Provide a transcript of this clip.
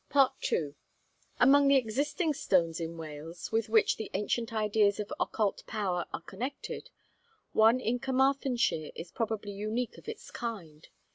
II. Among the existing stones in Wales with which the ancient ideas of occult power are connected, one in Carmarthenshire is probably unique of its kind.